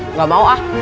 nggak mau ah